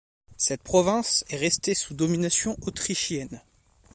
Cette province est restée sous domination autrichienne.